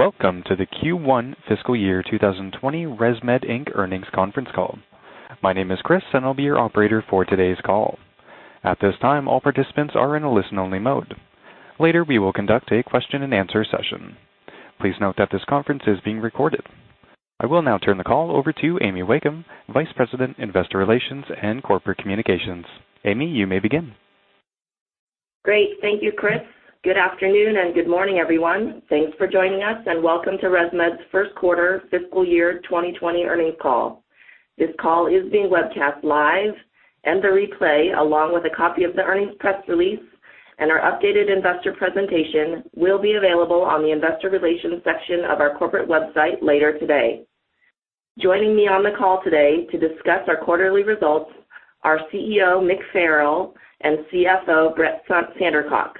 Welcome to the Q1 fiscal year 2020 ResMed Inc. earnings conference call. My name is Chris, and I'll be your Operator for today's call. At this time, all participants are in a listen-only mode. Later, we will conduct a question and answer session. Please note that this conference is being recorded. I will now turn the call over to Amy Wakeham, Vice President, Investor Relations and Corporate Communications. Amy, you may begin. Great. Thank you, Chris. Good afternoon, and good morning, everyone. Thanks for joining us, and welcome to ResMed's first quarter fiscal year 2020 earnings call. This call is being webcast live, and the replay, along with a copy of the earnings press release and our updated investor presentation, will be available on the investor relations section of our corporate website later today. Joining me on the call today to discuss our quarterly results are CEO Mick Farrell and CFO Brett Sandercock.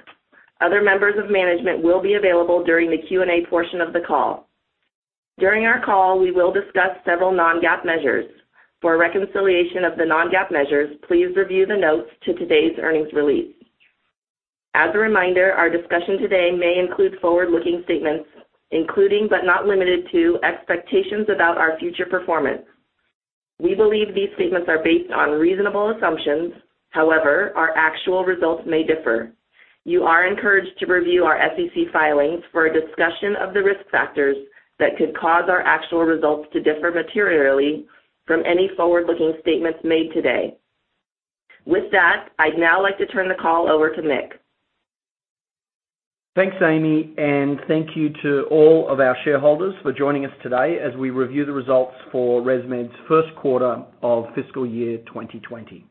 Other members of management will be available during the Q&A portion of the call. During our call, we will discuss several non-GAAP measures. For a reconciliation of the non-GAAP measures, please review the notes to today's earnings release. As a reminder, our discussion today may include forward-looking statements, including but not limited to expectations about our future performance. We believe these statements are based on reasonable assumptions. However, our actual results may differ. You are encouraged to review our SEC filings for a discussion of the risk factors that could cause our actual results to differ materially from any forward-looking statements made today. With that, I'd now like to turn the call over to Mick. Thanks, Amy. Thank you to all of our shareholders for joining us today as we review the results for ResMed's first quarter of fiscal year 2020.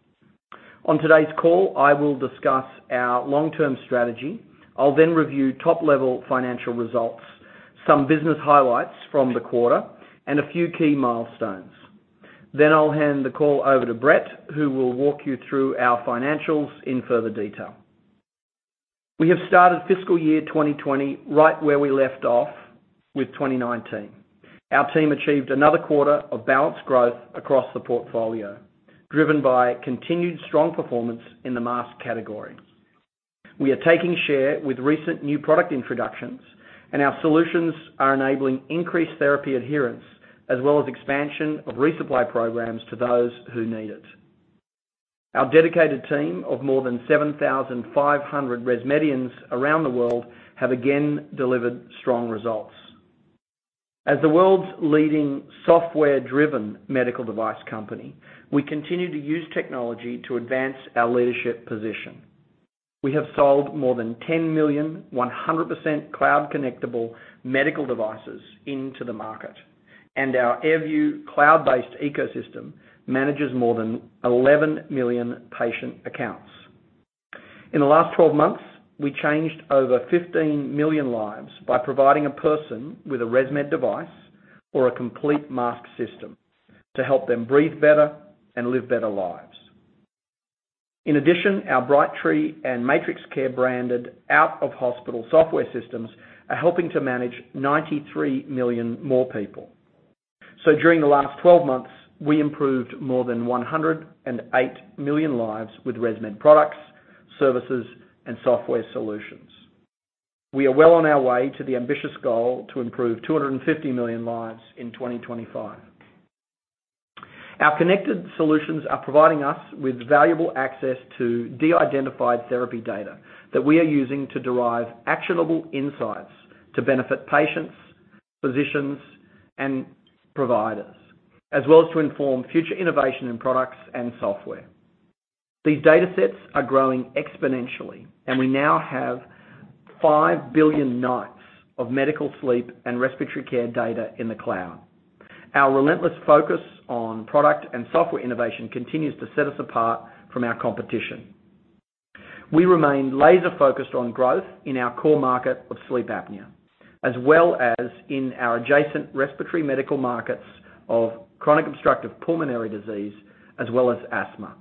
On today's call, I will discuss our long-term strategy. I'll review top-level financial results, some business highlights from the quarter, and a few key milestones. I'll hand the call over to Brett, who will walk you through our financials in further detail. We have started fiscal year 2020 right where we left off with 2019. Our team achieved another quarter of balanced growth across the portfolio, driven by continued strong performance in the mask category. We are taking share with recent new product introductions, and our solutions are enabling increased therapy adherence, as well as expansion of resupply programs to those who need it. Our dedicated team of more than 7,500 ResMedians around the world have again delivered strong results. As the world's leading software-driven medical device company, we continue to use technology to advance our leadership position. We have sold more than 10 million 100% cloud-connectable medical devices into the market, and our AirView cloud-based ecosystem manages more than 11 million patient accounts. In the last 12 months, we changed over 15 million lives by providing a person with a ResMed device or a complete mask system to help them breathe better and live better lives. In addition, our Brightree and MatrixCare-branded out-of-hospital software systems are helping to manage 93 million more people. During the last 12 months, we improved more than 108 million lives with ResMed products, services, and software solutions. We are well on our way to the ambitious goal to improve 250 million lives in 2025. Our connected solutions are providing us with valuable access to de-identified therapy data that we are using to derive actionable insights to benefit patients, physicians, and providers, as well as to inform future innovation in products and software. These datasets are growing exponentially, and we now have 5 billion nights of medical, sleep, and respiratory care data in the cloud. Our relentless focus on product and software innovation continues to set us apart from our competition. We remain laser-focused on growth in our core market of sleep apnea, as well as in our adjacent respiratory medical markets of chronic obstructive pulmonary disease, as well as asthma.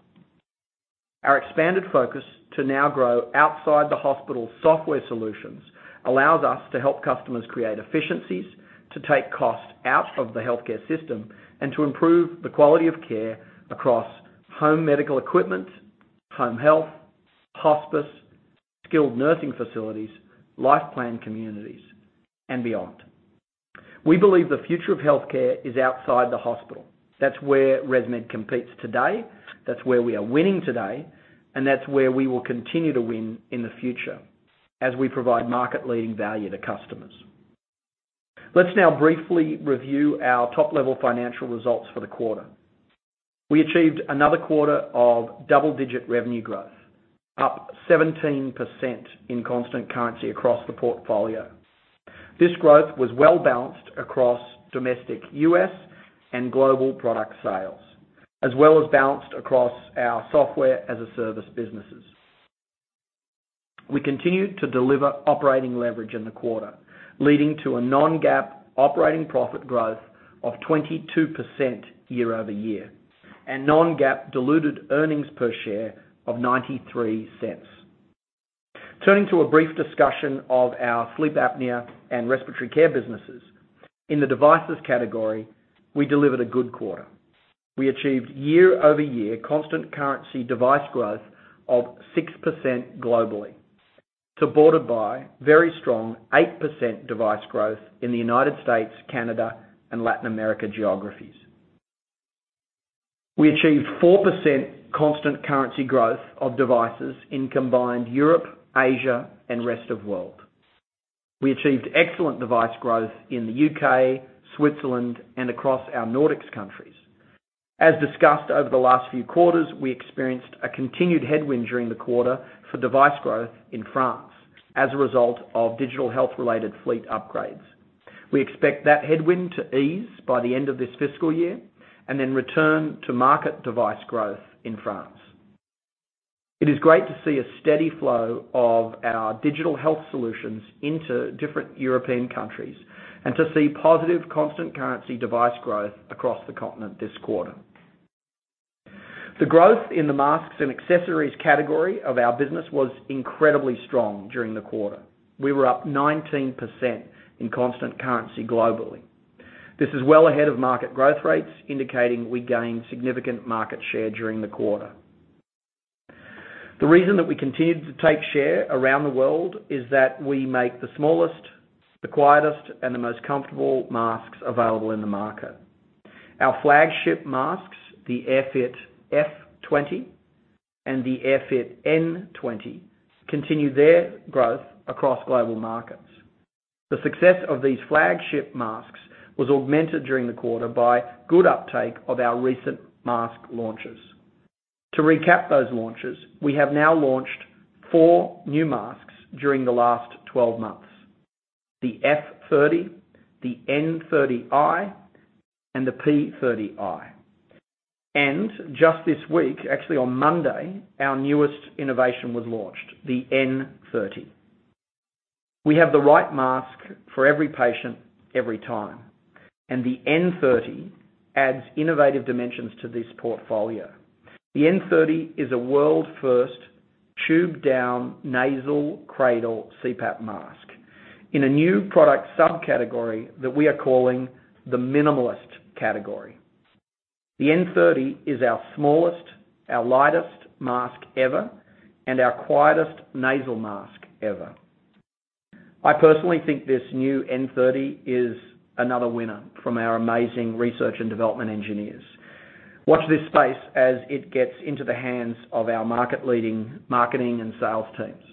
Our expanded focus to now grow outside the hospital software solutions allows us to help customers create efficiencies, to take cost out of the healthcare system, and to improve the quality of care across home medical equipment, home health, hospice, skilled nursing facilities, life plan communities, and beyond. We believe the future of healthcare is outside the hospital. That's where ResMed competes today, that's where we are winning today, and that's where we will continue to win in the future as we provide market-leading value to customers. Let's now briefly review our top-level financial results for the quarter. We achieved another quarter of double-digit revenue growth, up 17% in constant currency across the portfolio. This growth was well-balanced across domestic U.S. and global product sales, as well as balanced across our software-as-a-service businesses. We continued to deliver operating leverage in the quarter, leading to a non-GAAP operating profit growth of 22% year-over-year, and non-GAAP diluted earnings per share of $0.93. Turning to a brief discussion of our sleep apnea and respiratory care businesses. In the devices category, we delivered a good quarter. We achieved year-over-year constant currency device growth of 6% globally, supported by very strong 8% device growth in the United States, Canada and Latin America geographies. We achieved 4% constant currency growth of devices in combined Europe, Asia and rest of world. We achieved excellent device growth in the U.K., Switzerland, and across our Nordics countries. As discussed over the last few quarters, we experienced a continued headwind during the quarter for device growth in France as a result of digital health-related fleet upgrades. We expect that headwind to ease by the end of this fiscal year, and then return to market device growth in France. It is great to see a steady flow of our digital health solutions into different European countries, and to see positive constant currency device growth across the continent this quarter. The growth in the masks and accessories category of our business was incredibly strong during the quarter. We were up 19% in constant currency globally. This is well ahead of market growth rates, indicating we gained significant market share during the quarter. The reason that we continued to take share around the world is that we make the smallest, the quietest, and the most comfortable masks available in the market. Our flagship masks, the AirFit F20 and the AirFit N20, continue their growth across global markets. The success of these flagship masks was augmented during the quarter by good uptake of our recent mask launches. To recap those launches, we have now launched four new masks during the last 12 months. The F30, the N30i, and the P30i. Just this week, actually on Monday, our newest innovation was launched, the N30. We have the right mask for every patient, every time. The N30 adds innovative dimensions to this portfolio. The N30 is a world first tube-down nasal cradle CPAP mask in a new product subcategory that we are calling the minimalist category. The N30 is our smallest, our lightest mask ever, and our quietest nasal mask ever. I personally think this new N30 is another winner from our amazing research and development engineers. Watch this space as it gets into the hands of our market-leading marketing and sales teams.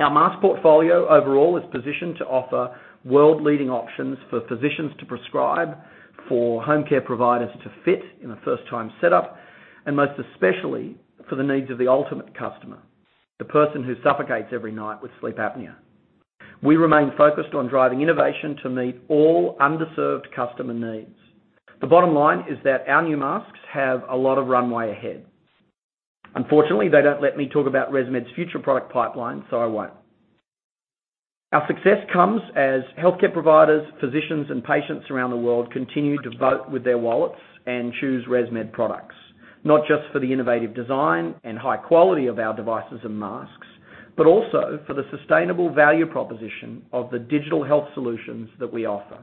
Our mask portfolio overall is positioned to offer world-leading options for physicians to prescribe, for home care providers to fit in a first-time setup, and most especially for the needs of the ultimate customer, the person who suffocates every night with sleep apnea. We remain focused on driving innovation to meet all underserved customer needs. The bottom line is that our new masks have a lot of runway ahead. Unfortunately, they don't let me talk about ResMed's future product pipeline, so I won't. Our success comes as healthcare providers, physicians, and patients around the world continue to vote with their wallets and choose ResMed products. Not just for the innovative design and high quality of our devices and masks, but also for the sustainable value proposition of the digital health solutions that we offer.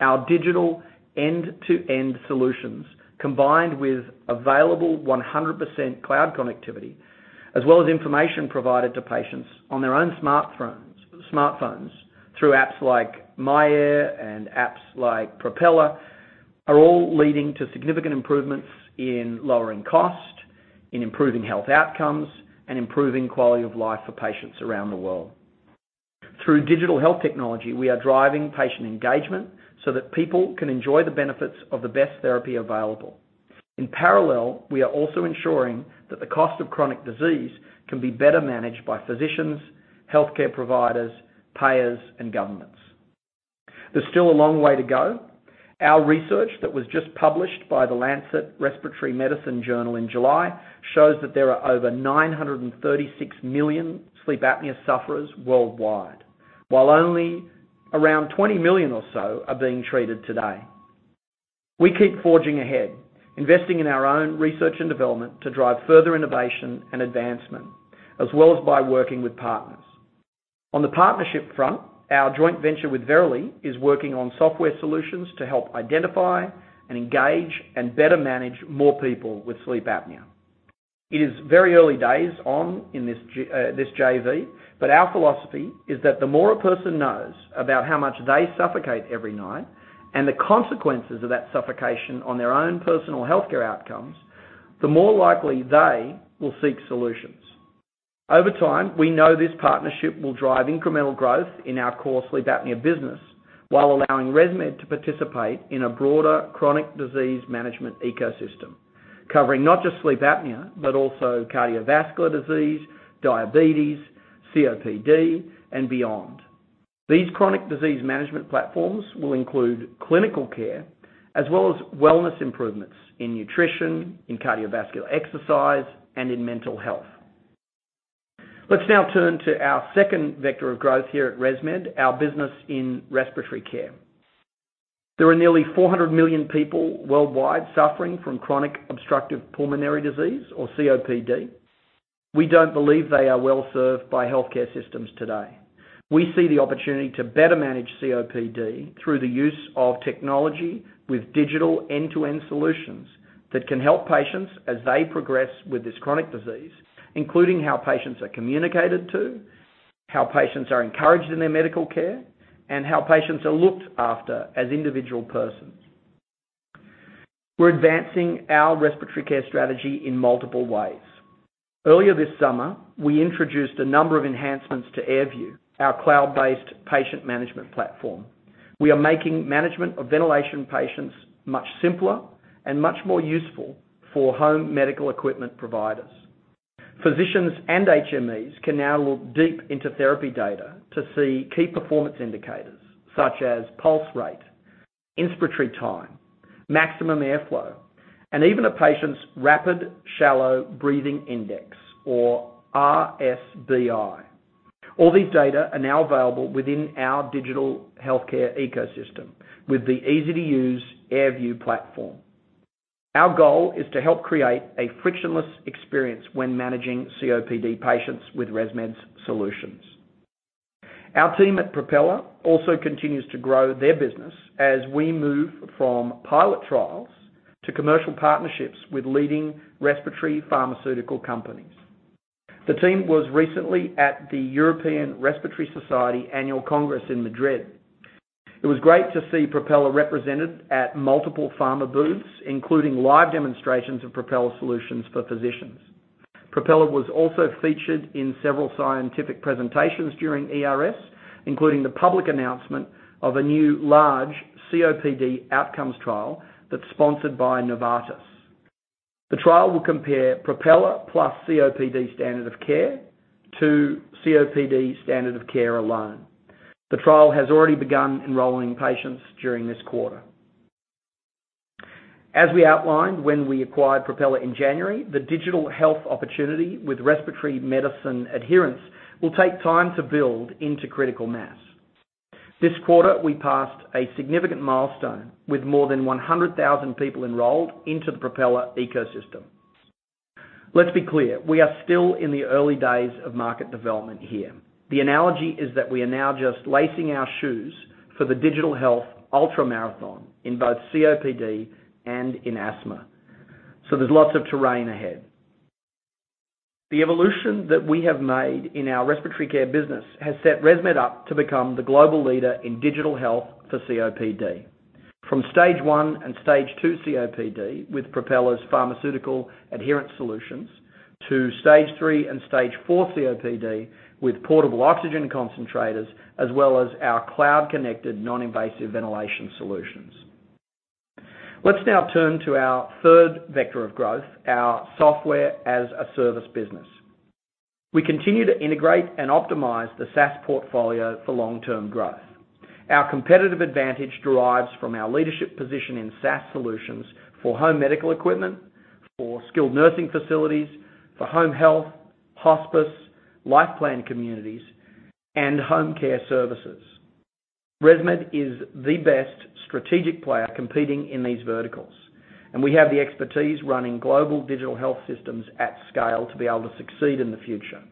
Our digital end-to-end solutions, combined with available 100% cloud connectivity, as well as information provided to patients on their own smartphones through apps like myAir and apps like Propeller, are all leading to significant improvements in lowering cost, in improving health outcomes, and improving quality of life for patients around the world. Through digital health technology, we are driving patient engagement so that people can enjoy the benefits of the best therapy available. In parallel, we are also ensuring that the cost of chronic disease can be better managed by physicians, healthcare providers, payers, and governments. There's still a long way to go. Our research that was just published by The Lancet Respiratory Medicine journal in July shows that there are over 936 million sleep apnea sufferers worldwide, while only around 20 million or so are being treated today. We keep forging ahead, investing in our own research and development to drive further innovation and advancement, as well as by working with partners. On the partnership front, our joint venture with Verily is working on software solutions to help identify and engage and better manage more people with sleep apnea. It is very early days on in this JV, but our philosophy is that the more a person knows about how much they suffocate every night, and the consequences of that suffocation on their own personal healthcare outcomes, the more likely they will seek solutions. Over time, we know this partnership will drive incremental growth in our core sleep apnea business, while allowing ResMed to participate in a broader chronic disease management ecosystem. Covering not just sleep apnea, but also cardiovascular disease, diabetes, COPD, and beyond. These chronic disease management platforms will include clinical care as well as wellness improvements in nutrition, in cardiovascular exercise, and in mental health. Let's now turn to our second vector of growth here at ResMed, our business in respiratory care. There are nearly 400 million people worldwide suffering from chronic obstructive pulmonary disease, or COPD. We don't believe they are well-served by healthcare systems today. We see the opportunity to better manage COPD through the use of technology with digital end-to-end solutions that can help patients as they progress with this chronic disease, including how patients are communicated to, how patients are encouraged in their medical care, and how patients are looked after as individual persons. We're advancing our respiratory care strategy in multiple ways. Earlier this summer, we introduced a number of enhancements to AirView, our cloud-based patient management platform. We are making management of ventilation patients much simpler and much more useful for home medical equipment providers. Physicians and HMEs can now look deep into therapy data to see key performance indicators such as pulse rate, inspiratory time, maximum airflow, and even a patient's rapid shallow breathing index, or RSBI. All these data are now available within our digital healthcare ecosystem with the easy-to-use AirView platform. Our goal is to help create a frictionless experience when managing COPD patients with ResMed's solutions. Our team at Propeller also continues to grow their business as we move from pilot trials to commercial partnerships with leading respiratory pharmaceutical companies. The team was recently at the European Respiratory Society Annual Congress in Madrid. It was great to see Propeller represented at multiple pharma booths, including live demonstrations of Propeller solutions for physicians. Propeller was also featured in several scientific presentations during ERS, including the public announcement of a new large COPD outcomes trial that's sponsored by Novartis. The trial will compare Propeller plus COPD standard of care to COPD standard of care alone. The trial has already begun enrolling patients during this quarter. As we outlined when we acquired Propeller in January, the digital health opportunity with respiratory medicine adherence will take time to build into critical mass. This quarter, we passed a significant milestone with more than 100,000 people enrolled into the Propeller ecosystem. Let's be clear, we are still in the early days of market development here. There's lots of terrain ahead. The evolution that we have made in our respiratory care business has set ResMed up to become the global leader in digital health for COPD. From stage 1 and stage 2 COPD with Propeller's pharmaceutical adherence solutions to stage 3 and stage 4 COPD with portable oxygen concentrators as well as our cloud-connected non-invasive ventilation solutions. Let's now turn to our third vector of growth, our software as a service business. We continue to integrate and optimize the SaaS portfolio for long-term growth. Our competitive advantage derives from our leadership position in SaaS solutions for home medical equipment, for skilled nursing facilities, for home health, hospice, life plan communities, and home care services. ResMed is the best strategic player competing in these verticals, and we have the expertise running global digital health systems at scale to be able to succeed in the future.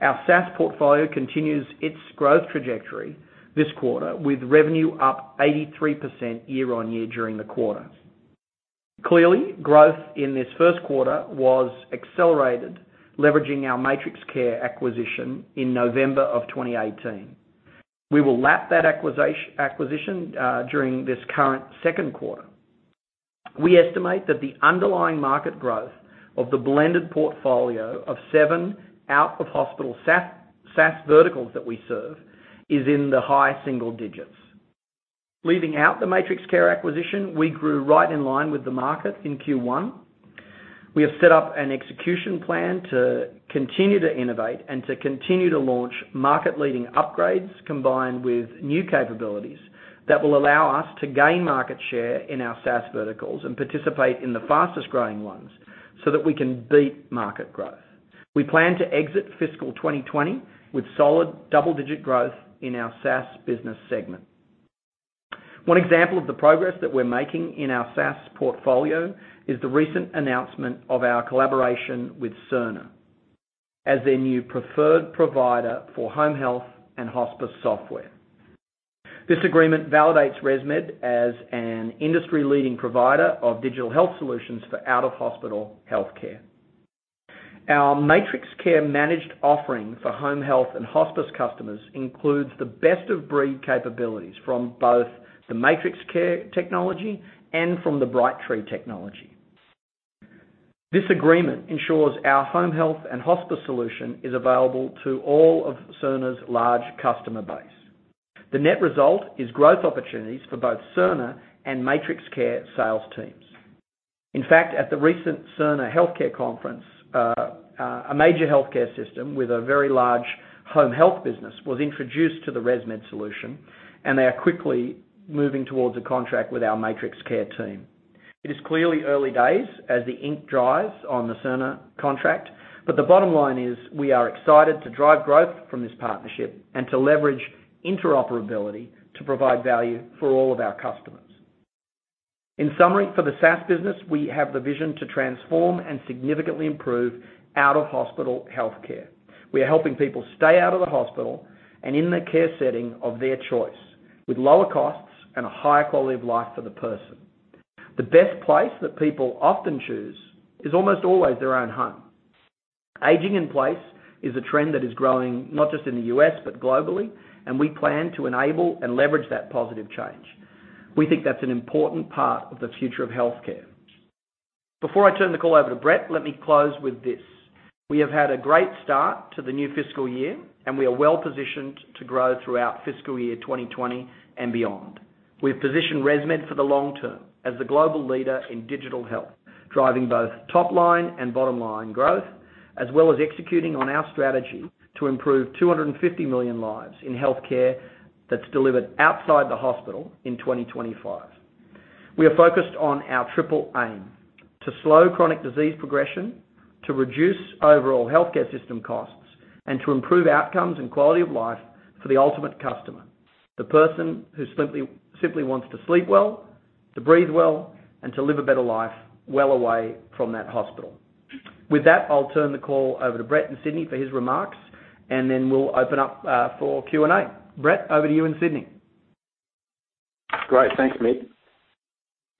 Our SaaS portfolio continues its growth trajectory this quarter, with revenue up 83% year-on-year during the quarter. Clearly, growth in this first quarter was accelerated, leveraging our MatrixCare acquisition in November of 2018. We will lap that acquisition during this current second quarter. We estimate that the underlying market growth of the blended portfolio of 7 out-of-hospital SaaS verticals that we serve is in the high single digits. Leaving out the MatrixCare acquisition, we grew right in line with the market in Q1. We have set up an execution plan to continue to innovate and to continue to launch market-leading upgrades combined with new capabilities that will allow us to gain market share in our SaaS verticals and participate in the fastest-growing ones so that we can beat market growth. We plan to exit fiscal 2020 with solid double-digit growth in our SaaS business segment. One example of the progress that we're making in our SaaS portfolio is the recent announcement of our collaboration with Cerner as their new preferred provider for home health and hospice software. This agreement validates ResMed as an industry-leading provider of digital health solutions for out-of-hospital healthcare. Our MatrixCare managed offering for home health and hospice customers includes the best of breed capabilities from both the MatrixCare technology and from the Brightree technology. This agreement ensures our home health and hospice solution is available to all of Cerner's large customer base. The net result is growth opportunities for both Cerner and MatrixCare sales teams. In fact, at the recent Cerner Health Conference, a major healthcare system with a very large home health business was introduced to the ResMed solution, and they are quickly moving towards a contract with our MatrixCare team. It is clearly early days as the ink dries on the Cerner contract. The bottom line is we are excited to drive growth from this partnership and to leverage interoperability to provide value for all of our customers. In summary, for the SaaS business, we have the vision to transform and significantly improve out-of-hospital healthcare. We are helping people stay out of the hospital and in the care setting of their choice, with lower costs and a higher quality of life for the person. The best place that people often choose is almost always their own home. Aging in place is a trend that is growing not just in the U.S. but globally, and we plan to enable and leverage that positive change. We think that's an important part of the future of healthcare. Before I turn the call over to Brett, let me close with this. We have had a great start to the new fiscal year, and we are well-positioned to grow throughout fiscal year 2020 and beyond. We've positioned ResMed for the long term as the global leader in digital health, driving both top-line and bottom-line growth, as well as executing on our strategy to improve 250 million lives in healthcare that's delivered outside the hospital in 2025. We are focused on our triple aim: to slow chronic disease progression, to reduce overall healthcare system costs, and to improve outcomes and quality of life for the ultimate customer, the person who simply wants to sleep well, to breathe well, and to live a better life well away from that hospital. With that, I'll turn the call over to Brett in Sydney for his remarks, and then we'll open up for Q&A. Brett, over to you in Sydney. Great. Thanks, Mick.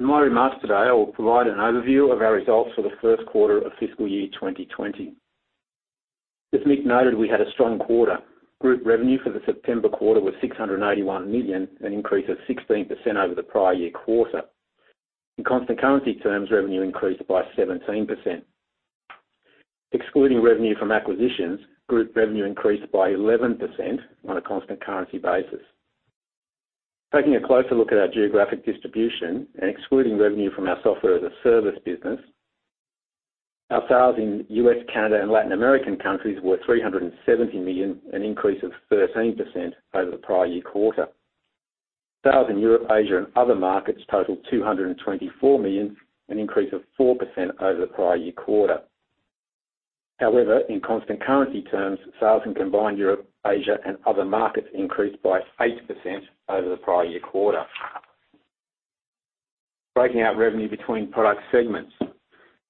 In my remarks today, I'll provide an overview of our results for the first quarter of fiscal year 2020. As Mick noted, we had a strong quarter. Group revenue for the September quarter was $681 million, an increase of 16% over the prior year quarter. In constant currency terms, revenue increased by 17%. Excluding revenue from acquisitions, group revenue increased by 11% on a constant currency basis. Taking a closer look at our geographic distribution and excluding revenue from our software as a service business, our sales in U.S., Canada, and Latin American countries were $370 million, an increase of 13% over the prior year quarter. Sales in Europe, Asia, and other markets totaled $224 million, an increase of 4% over the prior year quarter. In constant currency terms, sales in combined Europe, Asia, and other markets increased by 8% over the prior year quarter. Breaking out revenue between product segments.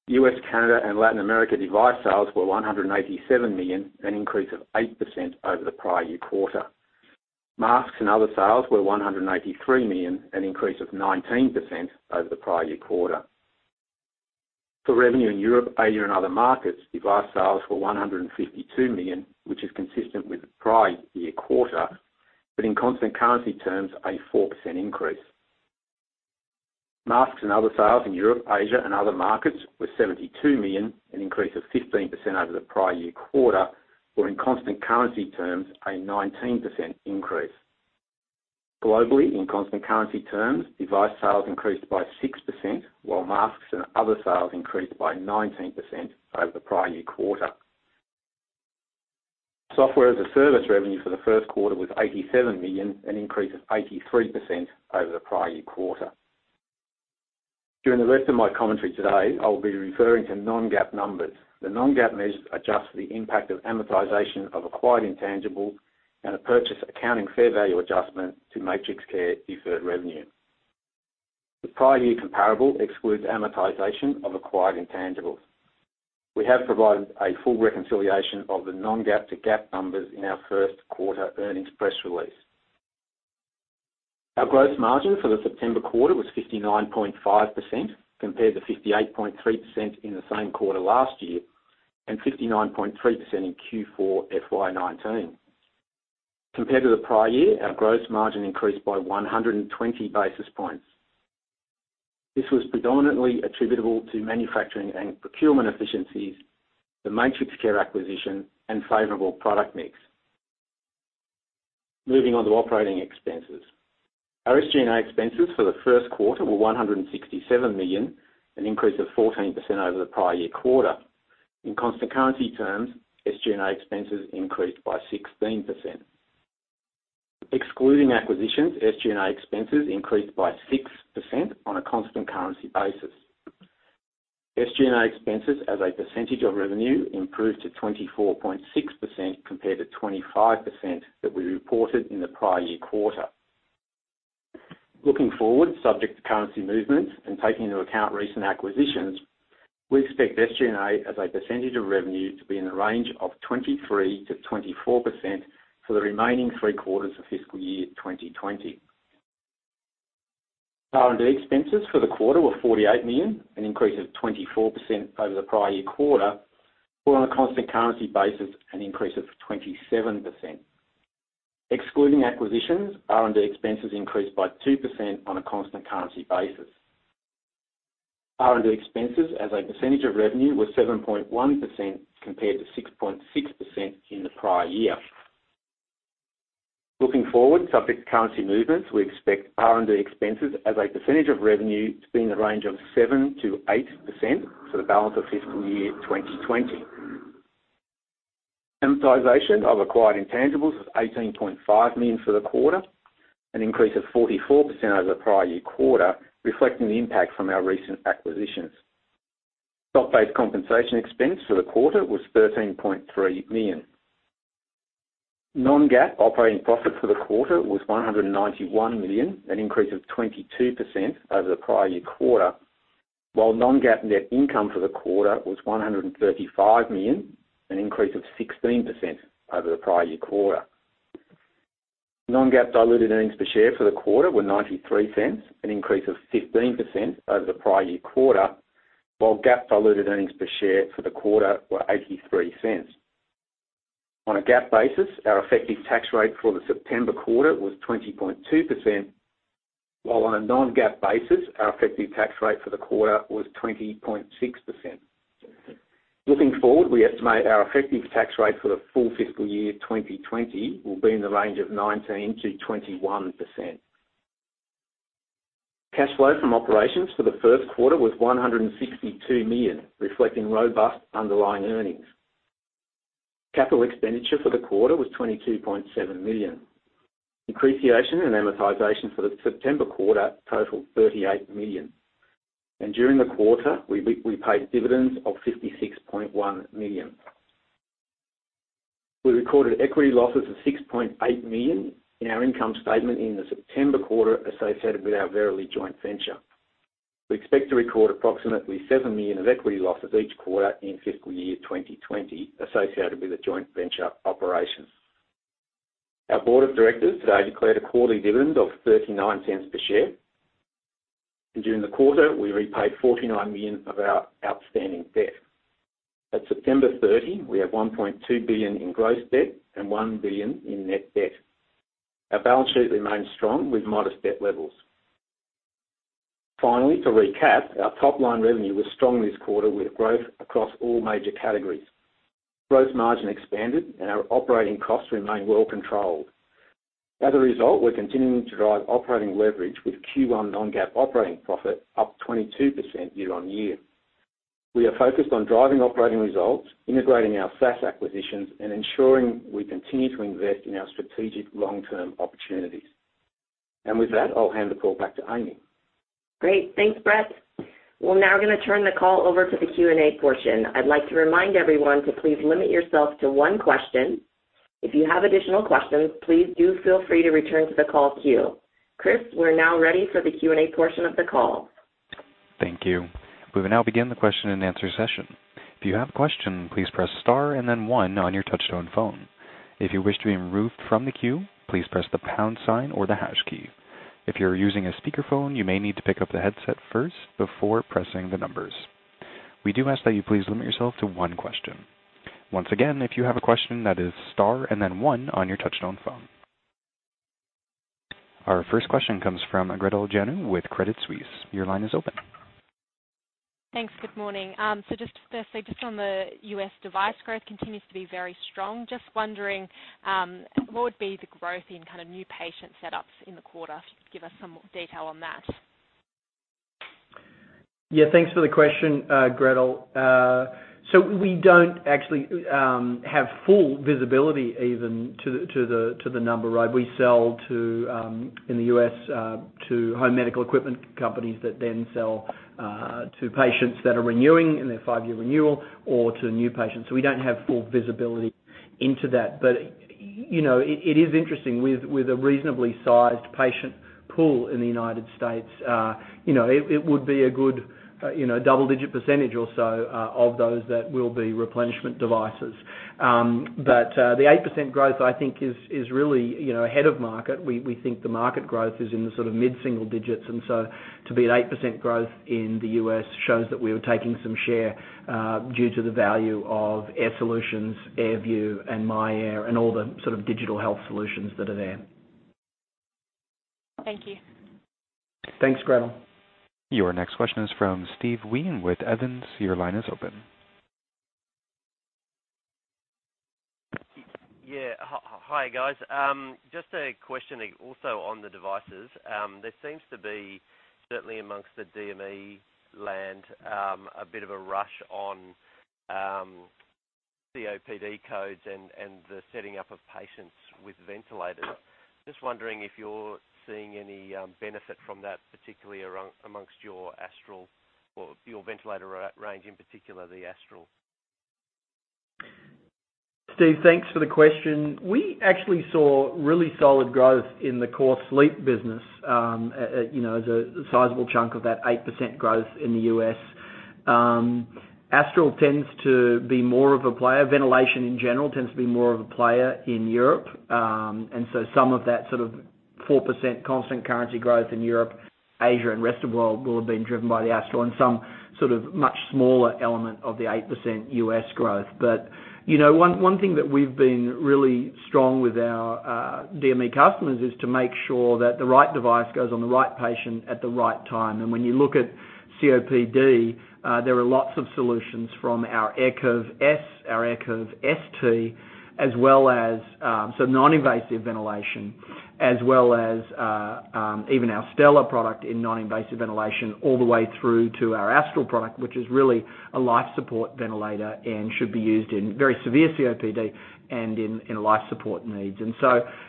U.S., Canada, and Latin America device sales were $187 million, an increase of 8% over the prior year quarter. Masks and other sales were $183 million, an increase of 19% over the prior year quarter. For revenue in Europe, Asia, and other markets, device sales were $152 million, which is consistent with the prior year quarter, but in constant currency terms, a 4% increase. Masks and other sales in Europe, Asia, and other markets were $72 million, an increase of 15% over the prior year quarter, or in constant currency terms, a 19% increase. Globally, in constant currency terms, device sales increased by 6%, while masks and other sales increased by 19% over the prior year quarter. software as a service revenue for the first quarter was $87 million, an increase of 83% over the prior year quarter. During the rest of my commentary today, I'll be referring to non-GAAP numbers. The non-GAAP measures adjust for the impact of amortization of acquired intangibles and a purchase accounting fair value adjustment to MatrixCare deferred revenue. The prior year comparable excludes amortization of acquired intangibles. We have provided a full reconciliation of the non-GAAP to GAAP numbers in our first quarter earnings press release. Our gross margin for the September quarter was 59.5%, compared to 58.3% in the same quarter last year and 59.3% in Q4 FY 2019. Compared to the prior year, our gross margin increased by 120 basis points. This was predominantly attributable to manufacturing and procurement efficiencies, the MatrixCare acquisition, and favorable product mix. Moving on to operating expenses. Our SG&A expenses for the first quarter were $167 million, an increase of 14% over the prior year quarter. In constant currency terms, SG&A expenses increased by 16%. Excluding acquisitions, SG&A expenses increased by 6% on a constant currency basis. SG&A expenses as a percentage of revenue improved to 24.6% compared to 25% that we reported in the prior year quarter. Looking forward, subject to currency movements and taking into account recent acquisitions, we expect SG&A as a percentage of revenue to be in the range of 23%-24% for the remaining three quarters of fiscal year 2020. R&D expenses for the quarter were $48 million, an increase of 24% over the prior year quarter, or on a constant currency basis, an increase of 27%. Excluding acquisitions, R&D expenses increased by 2% on a constant currency basis. R&D expenses as a percentage of revenue were 7.1% compared to 6.6% in the prior year. Looking forward, subject to currency movements, we expect R&D expenses as a percentage of revenue to be in the range of 7% to 8% for the balance of fiscal year 2020. Amortization of acquired intangibles was $18.5 million for the quarter, an increase of 44% over the prior year quarter, reflecting the impact from our recent acquisitions. Stock-based compensation expense for the quarter was $13.3 million. Non-GAAP operating profit for the quarter was $191 million, an increase of 22% over the prior year quarter, while non-GAAP net income for the quarter was $135 million, an increase of 16% over the prior year quarter. Non-GAAP diluted earnings per share for the quarter were $0.93, an increase of 15% over the prior year quarter, while GAAP diluted earnings per share for the quarter were $0.83. On a GAAP basis, our effective tax rate for the September quarter was 20.2%, while on a non-GAAP basis, our effective tax rate for the quarter was 20.6%. Looking forward, we estimate our effective tax rate for the full fiscal year 2020 will be in the range of 19%-21%. Cash flow from operations for the first quarter was $162 million, reflecting robust underlying earnings. Capital expenditure for the quarter was $22.7 million. Depreciation and amortization for the September quarter totaled $38 million. During the quarter, we paid dividends of $56.1 million. We recorded equity losses of $6.8 million in our income statement in the September quarter associated with our Verily joint venture. We expect to record approximately $7 million of equity losses each quarter in fiscal year 2020 associated with the joint venture operations. Our board of directors today declared a quarterly dividend of $0.39 per share. During the quarter, we repaid $49 million of our outstanding debt. At September 30, we have $1.2 billion in gross debt and $1 billion in net debt. Our balance sheet remains strong with modest debt levels. Finally, to recap, our top-line revenue was strong this quarter with growth across all major categories. Gross margin expanded and our operating costs remain well controlled. As a result, we're continuing to drive operating leverage with Q1 non-GAAP operating profit up 22% year-on-year. We are focused on driving operating results, integrating our SaaS acquisitions, and ensuring we continue to invest in our strategic long-term opportunities. With that, I'll hand the call back to Amy. Great. Thanks, Brett. We'll now gonna turn the call over to the Q&A portion. I'd like to remind everyone to please limit yourself to one question. If you have additional questions, please do feel free to return to the call queue. Chris, we're now ready for the Q&A portion of the call. Thank you. We will now begin the question and answer session. If you have a question, please press star and then one on your touchtone phone. If you wish to be removed from the queue, please press the pound sign or the hash key. If you're using a speakerphone, you may need to pick up the headset first before pressing the numbers. We do ask that you please limit yourself to one question. Once again, if you have a question, that is star and then one on your touchtone phone. Our first question comes from Gretel Janu with Credit Suisse. Your line is open. Thanks. Good morning. Firstly, just on the U.S. device growth continues to be very strong. Just wondering, what would be the growth in kind of new patient setups in the quarter? If you could give us some more detail on that. Thanks for the question, Gretel. We don't actually have full visibility even to the number. We sell in the U.S. to home medical equipment companies that then sell to patients that are renewing in their five-year renewal or to new patients. We don't have full visibility into that. It is interesting with a reasonably sized patient pool in the United States. It would be a good double-digit percentage or so of those that will be replenishment devices. The 8% growth, I think is really ahead of market. We think the market growth is in the sort of mid-single digits, to be at 8% growth in the U.S. shows that we are taking some share due to the value of Air Solutions, AirView and myAir and all the sort of digital health solutions that are there. Thank you. Thanks, Gretel. Your next question is from Steve Wheen with Evans. Your line is open. Yeah. Hi, guys. Just a question also on the devices. There seems to be, certainly amongst the DME land, a bit of a rush on COPD codes and the setting up of patients with ventilators. Just wondering if you're seeing any benefit from that, particularly amongst your Astral or your ventilator range, in particular, the Astral. Steve, thanks for the question. We actually saw really solid growth in the core sleep business as a sizable chunk of that 8% growth in the U.S. Astral tends to be more of a player. Ventilation in general tends to be more of a player in Europe. Some of that sort of 4% constant currency growth in Europe, Asia, and rest of world will have been driven by the Astral and some sort of much smaller element of the 8% U.S. growth. One thing that we've been really strong with our DME customers is to make sure that the right device goes on the right patient at the right time. When you look at COPD, there are lots of solutions from our AirCurve S, our AirCurve ST, so non-invasive ventilation, as well as even our Stellar product in non-invasive ventilation all the way through to our Astral product, which is really a life support ventilator and should be used in very severe COPD and in life support needs.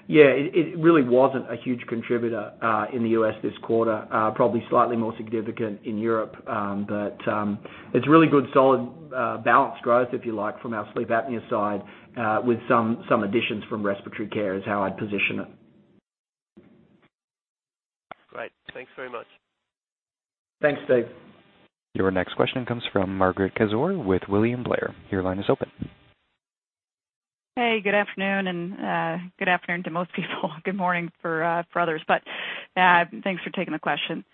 Yeah, it really wasn't a huge contributor in the U.S. this quarter. Probably slightly more significant in Europe. It's really good, solid, balanced growth, if you like, from our sleep apnea side, with some additions from respiratory care is how I'd position it. Thanks very much. Thanks, Dave. Your next question comes from Margaret Kaczor with William Blair. Your line is open. Hey, good afternoon, good afternoon to most people. Good morning for others, thanks for taking the question.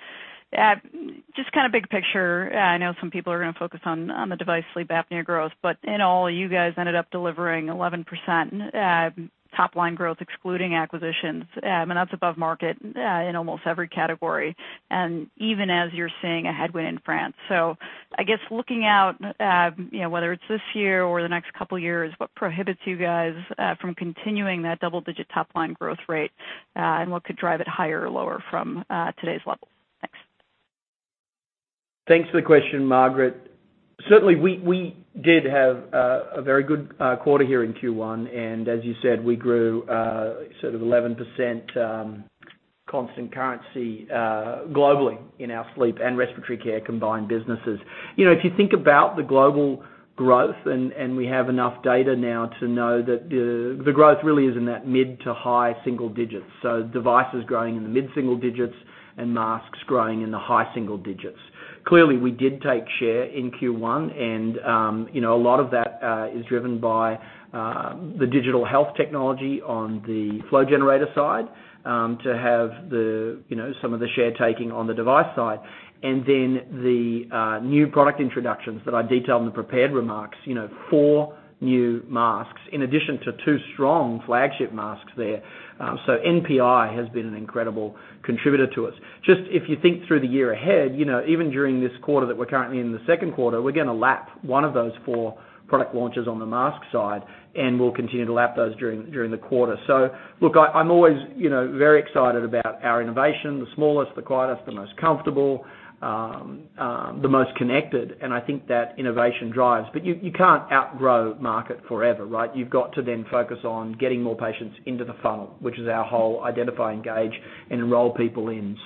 Just kind of big picture, I know some people are going to focus on the device sleep apnea growth, in all, you guys ended up delivering 11% top-line growth excluding acquisitions, that's above market in almost every category, even as you're seeing a headwind in France. I guess looking out, whether it's this year or the next couple of years, what prohibits you guys from continuing that double-digit top-line growth rate? What could drive it higher or lower from today's levels? Thanks. Thanks for the question, Margaret. Certainly, we did have a very good quarter here in Q1. As you said, we grew sort of 11% constant currency globally in our sleep and respiratory care combined businesses. If you think about the global growth, we have enough data now to know that the growth really is in that mid to high single digits. Devices growing in the mid-single digits and masks growing in the high single digits. Clearly, we did take share in Q1. A lot of that is driven by the digital health technology on the flow generator side to have some of the share taking on the device side. Then the new product introductions that I detailed in the prepared remarks, four new masks in addition to two strong flagship masks there. NPI has been an incredible contributor to us. If you think through the year ahead, even during this quarter that we're currently in, the second quarter, we're going to lap one of those 4 product launches on the mask side, and we'll continue to lap those during the quarter. Look, I'm always very excited about our innovation, the smallest, the quietest, the most comfortable, the most connected, and I think that innovation drives. You can't outgrow market forever, right? You've got to focus on getting more patients into the funnel, which is our whole identify, engage, and enroll people in.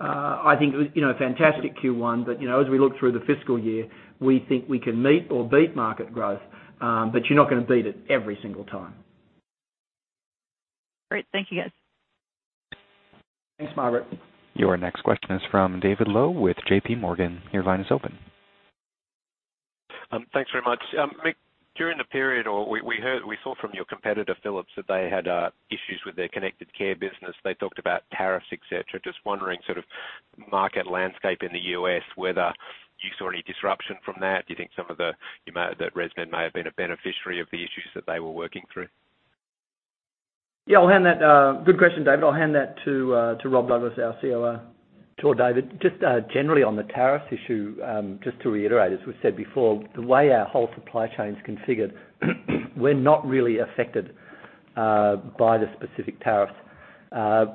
I think fantastic Q1, as we look through the fiscal year, we think we can meet or beat market growth. You're not going to beat it every single time. Great. Thank you, guys. Thanks, Margaret. Your next question is from David Low with JP Morgan. Your line is open. Thanks very much. Mick, during the period, we saw from your competitor, Philips, that they had issues with their connected care business. They talked about tariffs, et cetera. I am just wondering sort of market landscape in the U.S., whether you saw any disruption from that. Do you think that ResMed may have been a beneficiary of the issues that they were working through? Yeah, good question, David. I'll hand that to Rob Douglas, our COO. Sure, David. Just generally on the tariff issue, just to reiterate, as we said before, the way our whole supply chain's configured we're not really affected by the specific tariffs.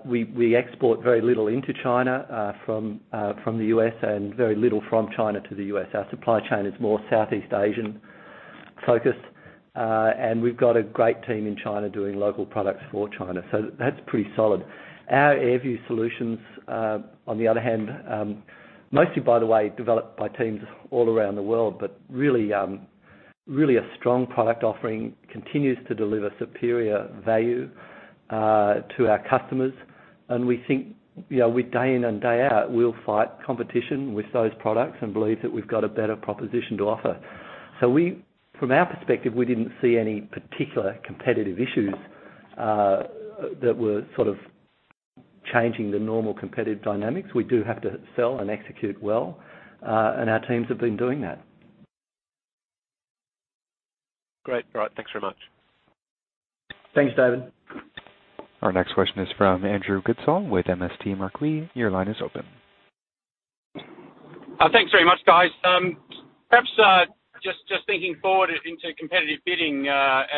We export very little into China from the U.S. and very little from China to the U.S. Our supply chain is more Southeast Asian-focused. We've got a great team in China doing local products for China. That's pretty solid. Our AirView solutions, on the other hand, mostly by the way, developed by teams all around the world, but really a strong product offering continues to deliver superior value to our customers. We think, day in and day out, we'll fight competition with those products and believe that we've got a better proposition to offer. From our perspective, we didn't see any particular competitive issues that were sort of changing the normal competitive dynamics. We do have to sell and execute well, and our teams have been doing that. Great. All right. Thanks very much. Thanks, David. Our next question is from Andrew Goodsall with MST Marquee. Your line is open. Thanks very much, guys. Perhaps just thinking forward into competitive bidding, I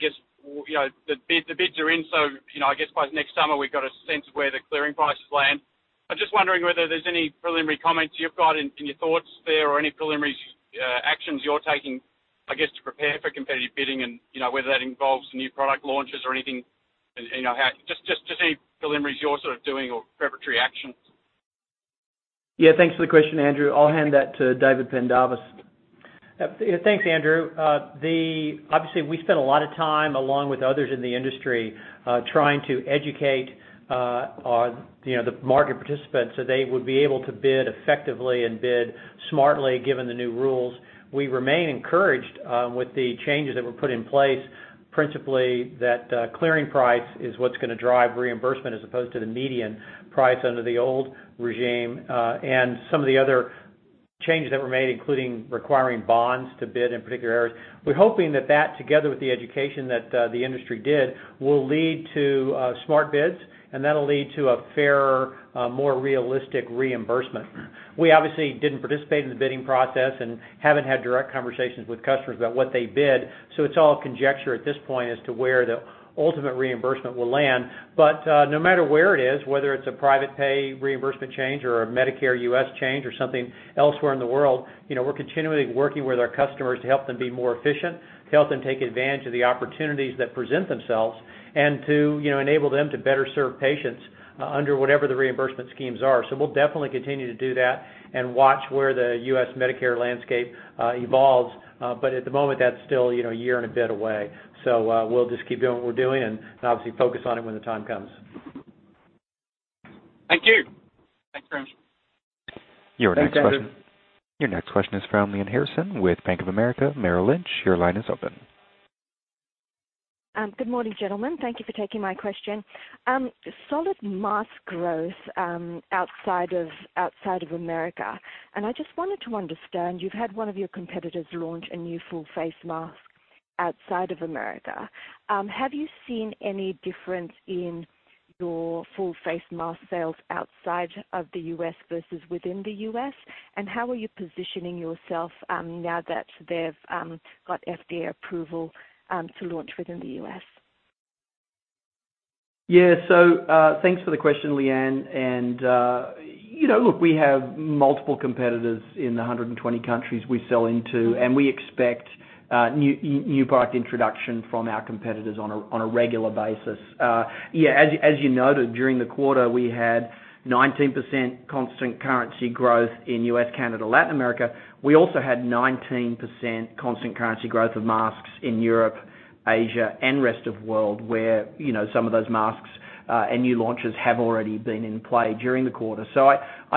guess, the bids are in, I guess by next summer, we've got a sense of where the clearing prices land. I'm just wondering whether there's any preliminary comments you've got in your thoughts there or any preliminary actions you're taking, I guess, to prepare for competitive bidding and whether that involves new product launches or anything, just any preliminaries you're sort of doing or preparatory actions. Yeah, thanks for the question, Andrew. I'll hand that to David Pendarvis. Thanks, Andrew. Obviously, we spent a lot of time along with others in the industry, trying to educate the market participants so they would be able to bid effectively and bid smartly given the new rules. We remain encouraged with the changes that were put in place, principally that clearing price is what's going to drive reimbursement as opposed to the median price under the old regime. Some of the other changes that were made, including requiring bonds to bid in particular areas. We're hoping that that, together with the education that the industry did, will lead to smart bids, and that'll lead to a fairer, more realistic reimbursement. We obviously didn't participate in the bidding process and haven't had direct conversations with customers about what they bid. It's all conjecture at this point as to where the ultimate reimbursement will land. No matter where it is, whether it's a private pay reimbursement change or a Medicare U.S. change or something elsewhere in the world, we're continually working with our customers to help them be more efficient, to help them take advantage of the opportunities that present themselves, and to enable them to better serve patients under whatever the reimbursement schemes are. We'll definitely continue to do that and watch where the U.S. Medicare landscape evolves. At the moment, that's still a year and a bit away. We'll just keep doing what we're doing and obviously focus on it when the time comes. Thank you. Your next question is from Lyanne Harrison with Bank of America Merrill Lynch. Your line is open. Good morning, gentlemen. Thank you for taking my question. Solid mask growth outside of the U.S. I just wanted to understand, you've had one of your competitors launch a new full face mask outside of the U.S. Have you seen any difference in your full face mask sales outside of the U.S. versus within the U.S.? How are you positioning yourself, now that they've got FDA approval, to launch within the U.S.? Thanks for the question, Lyanne. Look, we have multiple competitors in the 120 countries we sell into, and we expect new product introduction from our competitors on a regular basis. As you noted, during the quarter, we had 19% constant currency growth in U.S., Canada, Latin America. We also had 19% constant currency growth of masks in Europe, Asia, and rest of world, where some of those masks and new launches have already been in play during the quarter.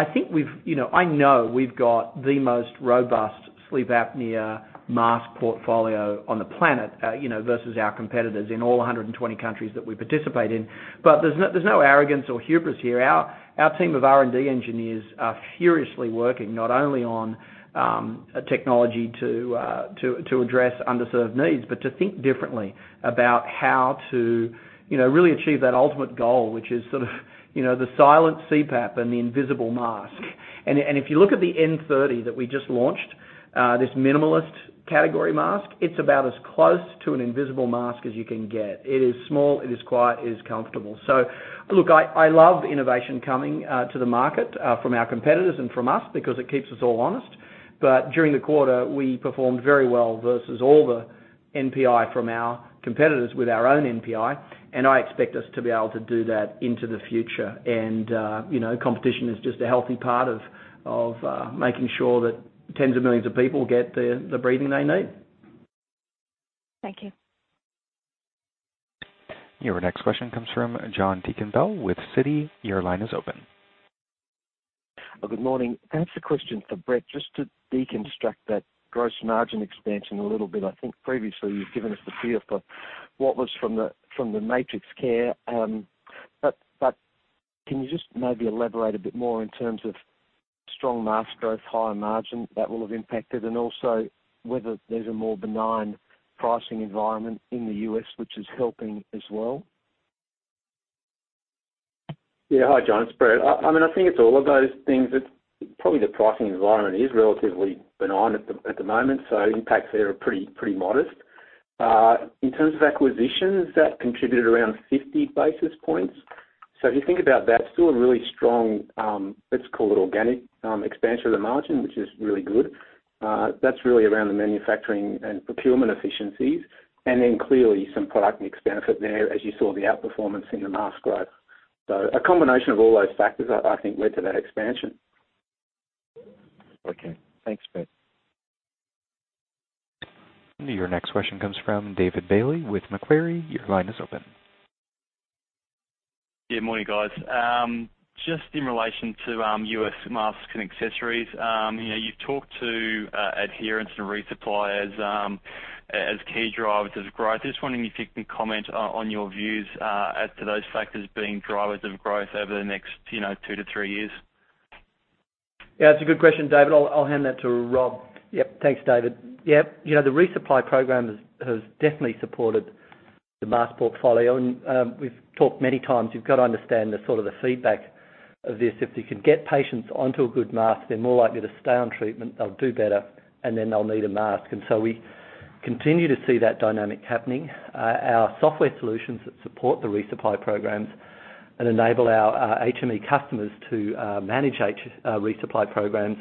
I know we've got the most robust sleep apnea mask portfolio on the planet, versus our competitors in all 120 countries that we participate in. There's no arrogance or hubris here. Our team of R&D engineers are furiously working not only on technology to address underserved needs, but to think differently about how to really achieve that ultimate goal, which is sort of the silent CPAP and the invisible mask. If you look at the N30 that we just launched, this minimalist category mask, it's about as close to an invisible mask as you can get. It is small, it is quiet, it is comfortable. Look, I love innovation coming to the market, from our competitors and from us, because it keeps us all honest. During the quarter, we performed very well versus all the NPI from our competitors with our own NPI, and I expect us to be able to do that into the future. Competition is just a healthy part of making sure that tens of millions of people get the breathing they need. Thank you. Your next question comes from John Deakin-Bell with Citi. Your line is open. Good morning. Can I ask a question for Brett, just to deconstruct that gross margin expansion a little bit. I think previously you've given us the feel for what was from the MatrixCare. Can you just maybe elaborate a bit more in terms of strong mask growth, higher margin that will have impacted, and also whether there's a more benign pricing environment in the U.S. which is helping as well? Yeah. Hi, John, it's Brett. I think it's all of those things. Probably the pricing environment is relatively benign at the moment, so impacts there are pretty modest. In terms of acquisitions, that contributed around 50 basis points. If you think about that, still a really strong, let's call it organic expansion of the margin, which is really good. That's really around the manufacturing and procurement efficiencies. Clearly some product mix benefit there as you saw the outperformance in the mask growth. A combination of all those factors, I think led to that expansion. Okay. Thanks, Brett. Your next question comes from David Bailey with Macquarie. Your line is open. Yeah. Morning, guys. Just in relation to U.S. masks and accessories. You've talked to adherence and resupply as key drivers of growth. I was just wondering if you can comment on your views as to those factors being drivers of growth over the next 2 to 3 years. Yeah, it's a good question, David. I'll hand that to Rob. Yep. Thanks, David. Yep. The resupply program has definitely supported the mask portfolio, and we've talked many times. You've got to understand the sort of the feedback of this. If you can get patients onto a good mask, they're more likely to stay on treatment, they'll do better, and then they'll need a mask. We continue to see that dynamic happening. Our software solutions that support the resupply programs and enable our HME customers to manage resupply programs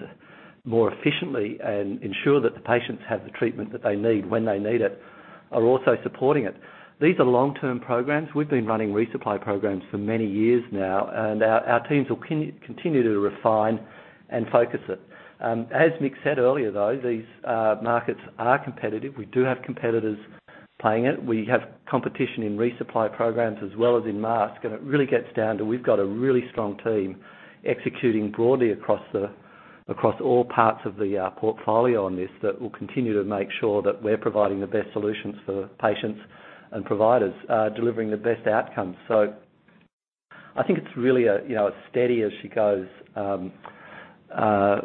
more efficiently and ensure that the patients have the treatment that they need when they need it, are also supporting it. These are long-term programs. We've been running resupply programs for many years now, and our teams will continue to refine and focus it. As Mick said earlier, though, these markets are competitive. We do have competitors playing it. We have competition in resupply programs as well as in mask. It really gets down to, we've got a really strong team executing broadly across all parts of the portfolio on this that will continue to make sure that we're providing the best solutions for patients and providers, delivering the best outcomes. I think it's really a steady as she goes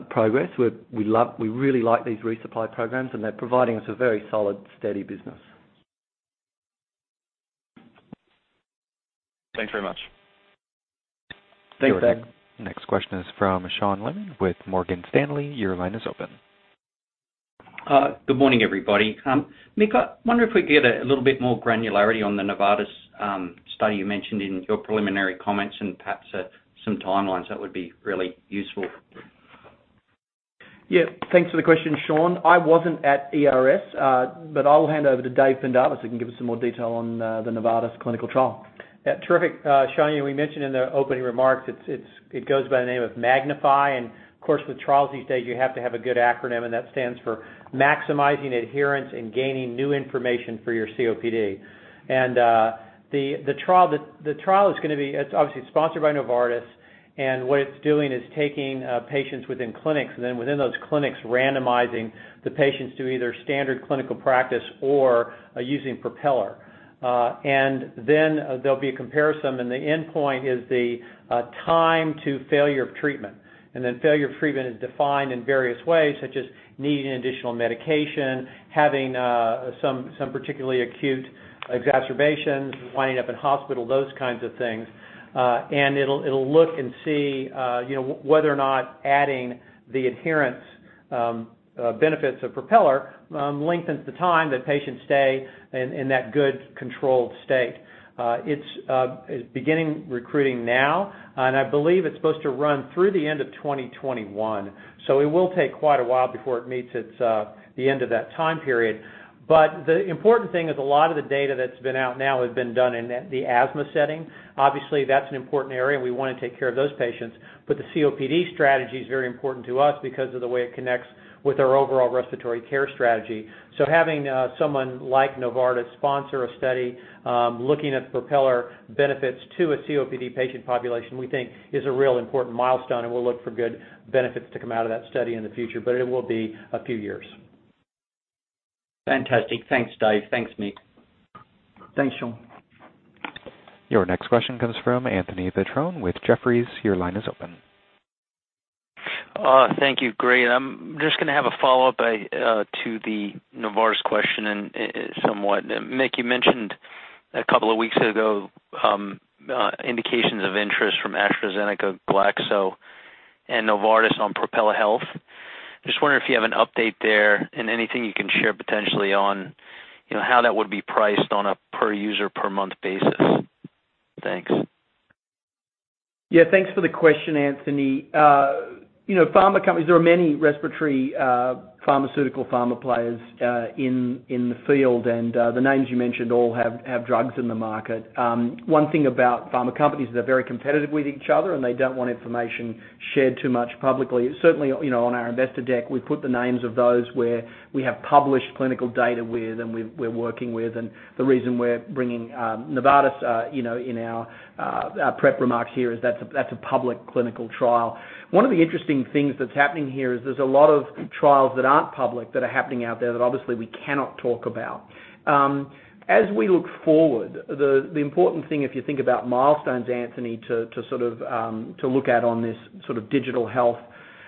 progress. We really like these resupply programs. They're providing us a very solid, steady business. Thanks very much. Thanks, David. Next question is from Sean Laaman with Morgan Stanley. Your line is open. Good morning, everybody. Mick, I wonder if we could get a little bit more granularity on the Novartis study you mentioned in your preliminary comments and perhaps some timelines. That would be really useful. Yeah. Thanks for the question, Sean. I wasn't at ERS, but I'll hand over to David Fentel, so he can give us some more detail on the Novartis clinical trial. Yeah. Terrific. Sean, we mentioned in the opening remarks, it goes by the name of MAGNIFY. Of course, with trials these days, you have to have a good acronym, and that stands for Maximizing Adherence and Gaining New Information for your COPD. The trial is obviously sponsored by Novartis. What it's doing is taking patients within clinics, then within those clinics, randomizing the patients to either standard clinical practice or using Propeller. Then there'll be a comparison, and the endpoint is the time to failure of treatment. Then failure of treatment is defined in various ways, such as needing additional medication, having some particularly acute exacerbations, winding up in hospital, those kinds of things. It'll look and see whether or not adding the adherence benefits of Propeller lengthens the time that patients stay in that good, controlled state. It's beginning recruiting now. I believe it's supposed to run through the end of 2021. It will take quite a while before it meets the end of that time period. The important thing is a lot of the data that's been out now has been done in the asthma setting. That's an important area, and we want to take care of those patients. The COPD strategy is very important to us because of the way it connects with our overall respiratory care strategy. Having someone like Novartis sponsor a study looking at Propeller benefits to a COPD patient population, we think is a real important milestone, and we'll look for good benefits to come out of that study in the future. It will be a few years. Fantastic. Thanks, Dave. Thanks, Mick. Thanks, Sean. Your next question comes from Anthony Petrone with Jefferies. Your line is open. Thank you. Great. I'm just going to have a follow-up to the Novartis question somewhat. Mick, you mentioned a couple of weeks ago indications of interest from AstraZeneca, GSK, and Novartis on Propeller Health. Just wondering if you have an update there, and anything you can share potentially on how that would be priced on a per-user, per-month basis. Thanks. Yeah, thanks for the question, Anthony. There are many respiratory pharmaceutical pharma players in the field. The names you mentioned all have drugs in the market. One thing about pharma companies is they're very competitive with each other. They don't want information shared too much publicly. Certainly, on our investor deck, we put the names of those where we have published clinical data with and we're working with. The reason we're bringing Novartis in our prep remarks here is that's a public clinical trial. One of the interesting things that's happening here is there's a lot of trials that aren't public that are happening out there that obviously we cannot talk about. As we look forward, the important thing, if you think about milestones, Anthony, to look at on this sort of digital health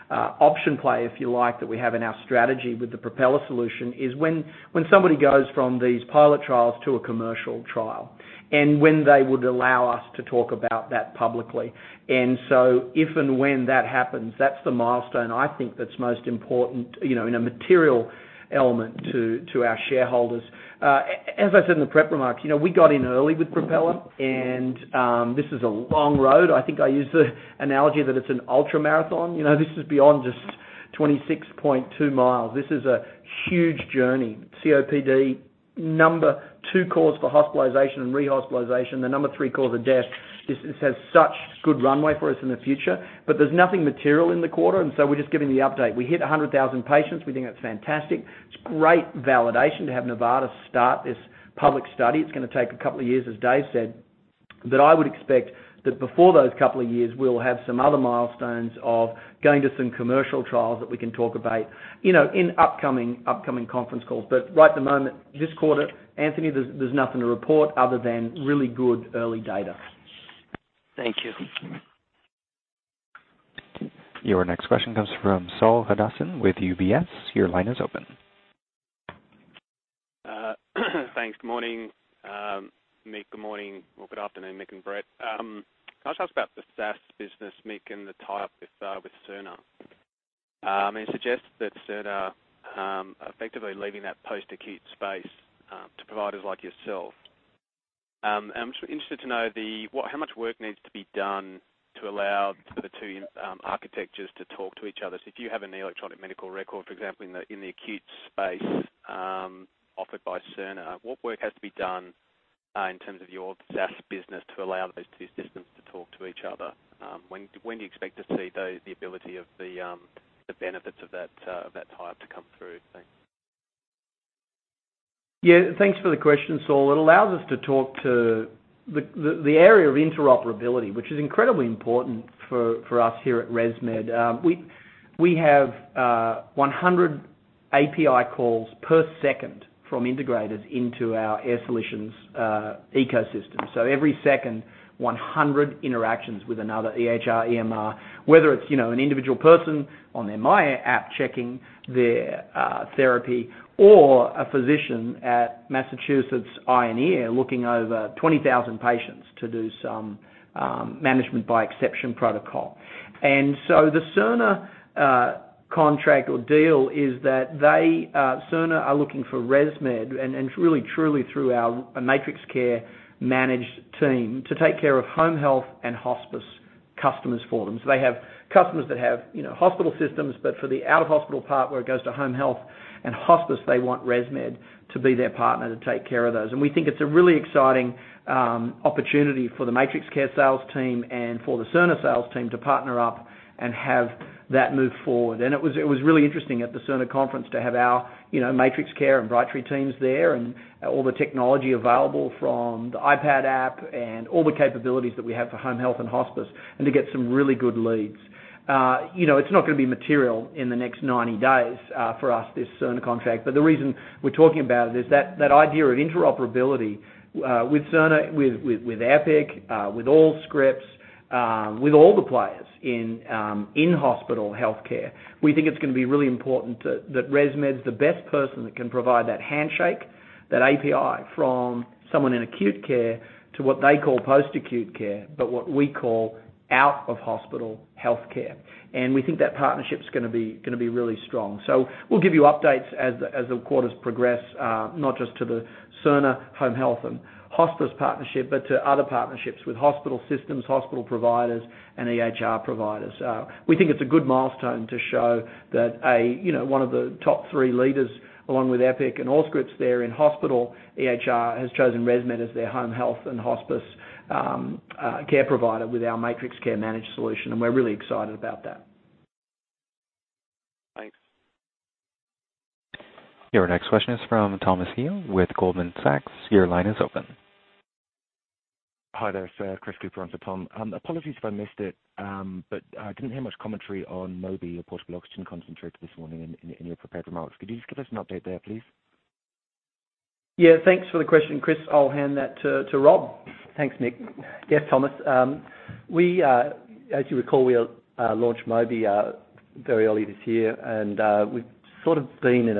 option play, if you like, that we have in our strategy with the Propeller solution is when somebody goes from these pilot trials to a commercial trial, and when they would allow us to talk about that publicly. If and when that happens, that's the milestone I think that's most important in a material element to our shareholders. As I said in the prep remarks, we got in early with Propeller, and this is a long road. I think I used the analogy that it's an ultramarathon. This is beyond just 26.2 miles. This is a huge journey. COPD, number 2 cause for hospitalization and rehospitalization, the number 3 cause of death. This has such good runway for us in the future. There's nothing material in the quarter, and so we're just giving the update. We hit 100,000 patients. We think that's fantastic. It's great validation to have Novartis start this public study. It's going to take a couple of years, as Dave said. I would expect that before those couple of years, we'll have some other milestones of going to some commercial trials that we can talk about in upcoming conference calls. Right at the moment, this quarter, Anthony, there's nothing to report other than really good early data. Thank you. Your next question comes from Saul Hadassin with UBS. Your line is open. Thanks. Good morning. Mick, good morning. Well, good afternoon, Mick and Brett. Can I talk about the SaaS business, Mick, and the tie-up with Cerner? It suggests that Cerner effectively leaving that post-acute space to providers like yourself. I'm interested to know how much work needs to be done to allow the two architectures to talk to each other. If you have an electronic medical record, for example, in the acute space offered by Cerner, what work has to be done in terms of your SaaS business to allow those two systems to talk to each other? When do you expect to see the ability of the benefits of that type to come through? Thanks. Yeah, thanks for the question, Saul. It allows us to talk to the area of interoperability, which is incredibly important for us here at ResMed. We have 100 API calls per second from integrators into our Air Solutions ecosystem. Every second, 100 interactions with another EHR, EMR, whether it's an individual person on their myAir app checking their therapy or a physician at Massachusetts Eye and Ear looking over 20,000 patients to do some management-by-exception protocol. The Cerner contract or deal is that Cerner are looking for ResMed, and it's really truly through our MatrixCare managed team to take care of home health and hospice customers for them. They have customers that have hospital systems, but for the out-of-hospital part where it goes to home health and hospice, they want ResMed to be their partner to take care of those. We think it's a really exciting opportunity for the MatrixCare sales team and for the Cerner sales team to partner up and have that move forward. It was really interesting at the Cerner Health Conference to have our MatrixCare and Brightree teams there, and all the technology available from the iPad app, and all the capabilities that we have for home health and hospice, and to get some really good leads. It's not going to be material in the next 90 days for us, this Cerner contract. The reason we're talking about it is that idea of interoperability with Cerner, with Epic, with Allscripts, with all the players in in-hospital healthcare. We think it's going to be really important that ResMed is the best person that can provide that handshake, that API from someone in acute care to what they call post-acute care, but what we call out-of-hospital healthcare. We think that partnership is going to be really strong. We'll give you updates as the quarters progress, not just to the Cerner home health and hospice partnership, but to other partnerships with hospital systems, hospital providers, and EHR providers. We think it's a good milestone to show that one of the top three leaders, along with Epic and Allscripts there in hospital EHR, has chosen ResMed as their home health and hospice care provider with our MatrixCare Managed solution. We're really excited about that. Thanks. Your next question is from Thomas Healey with Goldman Sachs. Your line is open. Hi there, sir. Chris Cooper, onto Tom. Apologies if I missed it, but I didn't hear much commentary on Mobi, your portable oxygen concentrator this morning in your prepared remarks. Could you just give us an update there, please? Thanks for the question, Chris. I'll hand that to Rob. Thanks, Mick. Yeah, Chris. As you recall, we launched Mobi very early this year, and we've sort of been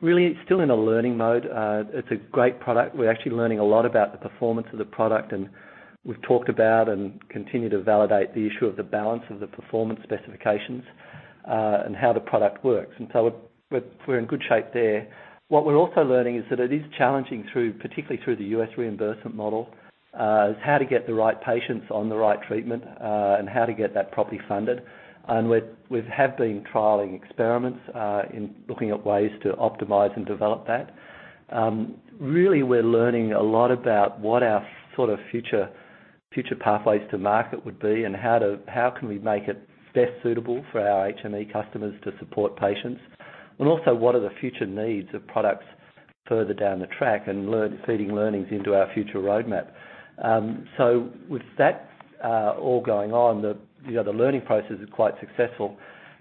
really still in a learning mode. It's a great product. We're actually learning a lot about the performance of the product, and we've talked about and continue to validate the issue of the balance of the performance specifications, and how the product works. We're in good shape there. What we're also learning is that it is challenging, particularly through the U.S. reimbursement model, is how to get the right patients on the right treatment, and how to get that properly funded. We have been trialing experiments, in looking at ways to optimize and develop that. Really, we're learning a lot about what our future pathways to market would be and how can we make it best suitable for our HME customers to support patients. Also, what are the future needs of products further down the track and feeding learnings into our future roadmap. With that all going on, the learning process is quite successful.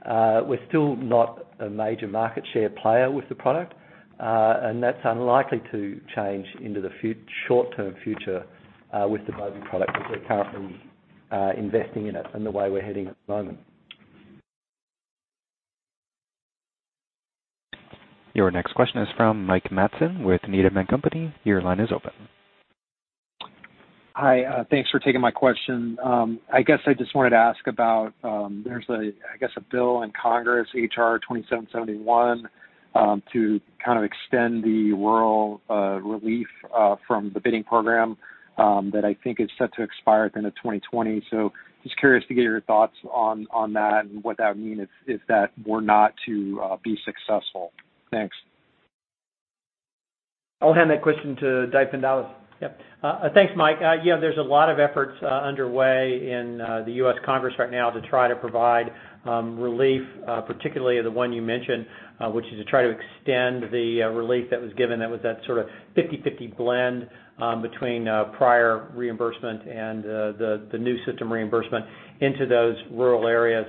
We're still not a major market share player with the product. That's unlikely to change into the short-term future, with the Mobi product, as we're currently investing in it and the way we're heading at the moment. Your next question is from Mike Matson with Needham & Company. Your line is open. Hi. Thanks for taking my question. I guess I just wanted to ask about, there's, I guess, a bill in Congress, H.R.2771, to kind of extend the rural relief from the bidding program that I think is set to expire at the end of 2020. Just curious to get your thoughts on that and what that would mean if that were not to be successful. Thanks. I'll hand that question to Dave Pendarvis. Yep. Thanks, Mike. There's a lot of efforts underway in the U.S. Congress right now to try to provide relief, particularly the one you mentioned, which is to try to extend the relief that was given. That was that sort of 50/50 blend between prior reimbursement and the new system reimbursement into those rural areas.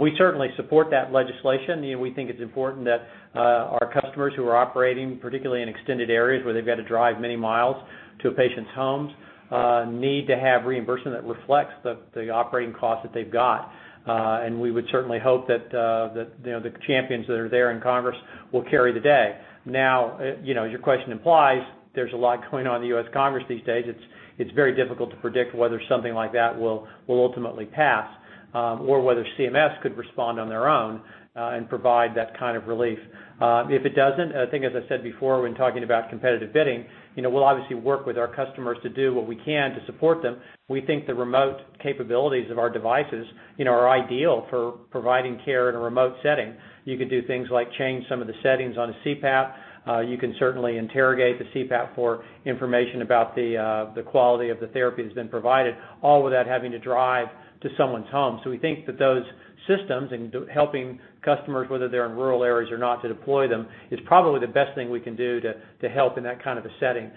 We certainly support that legislation. We think it's important that our customers who are operating, particularly in extended areas where they've got to drive many miles to a patient's homes, need to have reimbursement that reflects the operating costs that they've got. We would certainly hope that the champions that are there in Congress will carry the day. As your question implies, there's a lot going on in the U.S. Congress these days. It's very difficult to predict whether something like that will ultimately pass, or whether CMS could respond on their own, and provide that kind of relief. If it doesn't, I think as I said before, when talking about competitive bidding, we'll obviously work with our customers to do what we can to support them. We think the remote capabilities of our devices are ideal for providing care in a remote setting. You could do things like change some of the settings on a CPAP. You can certainly interrogate the CPAP for information about the quality of the therapy that's been provided, all without having to drive to someone's home. We think that those systems and helping customers, whether they're in rural areas or not, to deploy them, is probably the best thing we can do to help in that kind of a setting.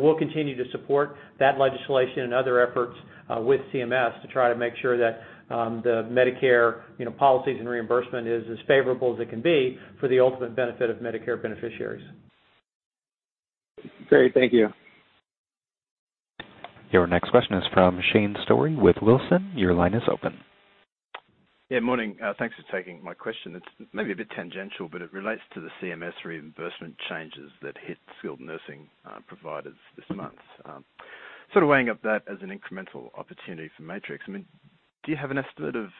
We'll continue to support that legislation and other efforts with CMS to try to make sure that the Medicare policies and reimbursement is as favorable as it can be for the ultimate benefit of Medicare beneficiaries. Great. Thank you. Your next question is from Shane Storey with Wilsons. Your line is open. Yeah, morning. Thanks for taking my question. It's maybe a bit tangential, but it relates to the CMS reimbursement changes that hit skilled nursing providers this month. Sort of weighing up that as an incremental opportunity for Matrix. Do you have an estimate of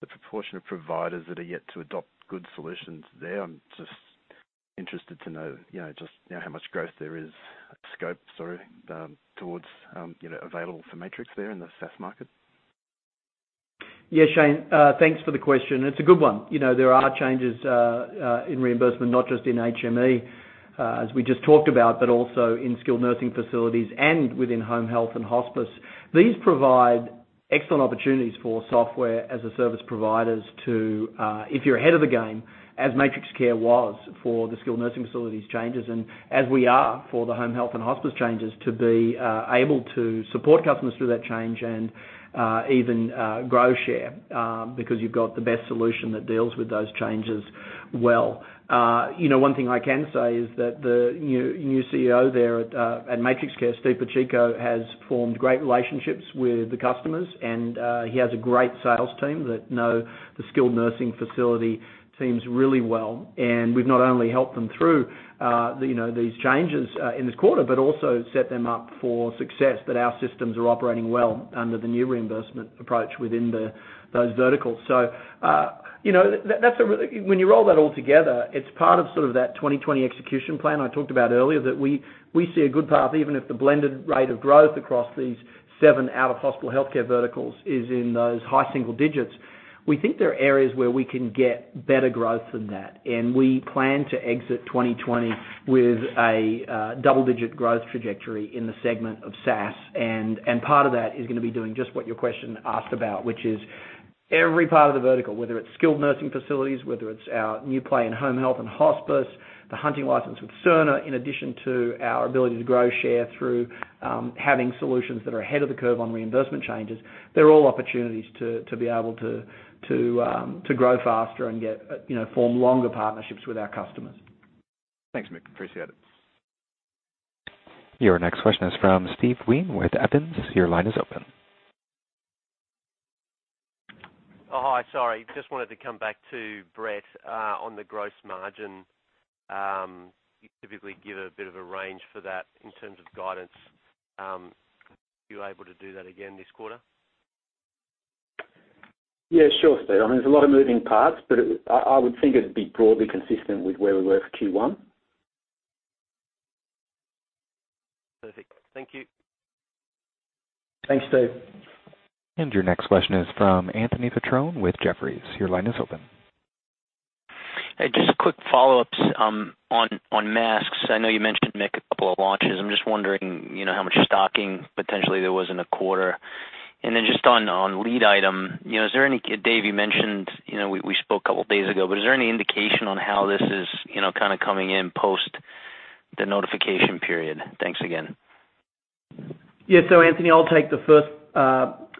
the proportion of providers that are yet to adopt good solutions there? I'm just interested to know just how much growth there is, scope towards available for Matrix there in the SaaS market. Yes, Shane, thanks for the question. It's a good one. There are changes in reimbursement, not just in HME, as we just talked about, but also in skilled nursing facilities and within home health and hospice. These provide excellent opportunities for software as a service providers to, if you're ahead of the game, as MatrixCare was for the skilled nursing facilities changes, and as we are for the home health and hospice changes, to be able to support customers through that change and even grow share, because you've got the best solution that deals with those changes well. One thing I can say is that the new CEO there at MatrixCare, Steve Pacheco, has formed great relationships with the customers, and he has a great sales team that know the skilled nursing facility teams really well. We've not only helped them through these changes in this quarter, but also set them up for success, that our systems are operating well under the new reimbursement approach within those verticals. When you roll that all together, it's part of that 2020 Execution Plan I talked about earlier, that we see a good path, even if the blended rate of growth across these seven out-of-hospital healthcare verticals is in those high single digits. We think there are areas where we can get better growth than that, and we plan to exit 2020 with a double-digit growth trajectory in the segment of SaaS. Part of that is going to be doing just what your question asked about, which is every part of the vertical, whether it's skilled nursing facilities, whether it's our new play in home health and hospice, the hunting license with Cerner, in addition to our ability to grow share through having solutions that are ahead of the curve on reimbursement changes. They're all opportunities to be able to grow faster and form longer partnerships with our customers. Thanks, Mick. Appreciate it. Your next question is from Steve Wheen with Evans. Your line is open. Oh, hi, sorry. Just wanted to come back to Brett on the gross margin. You typically give a bit of a range for that in terms of guidance. You able to do that again this quarter? Yeah, sure, Steve. There's a lot of moving parts, but I would think it'd be broadly consistent with where we were for Q1. Perfect. Thank you. Thanks, Steve. Your next question is from Anthony Petrone with Jefferies. Your line is open. Hey, just a quick follow-up on masks. I know you mentioned, Mick, a couple of launches. I'm just wondering how much stocking potentially there was in the quarter. Just on lead item, Dave, we spoke a couple of days ago, but is there any indication on how this is kind of coming in post the notification period? Thanks again. Anthony, I'll take the first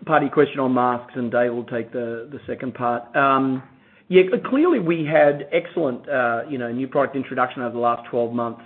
party question on masks, and Dave will take the second part. Clearly, we had excellent new product introduction over the last 12 months.